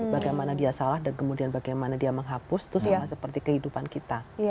bagaimana dia salah dan kemudian bagaimana dia menghapus itu sama seperti kehidupan kita